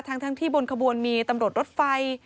ทั้งที่บนขบวนมีตำรวจรถไฟ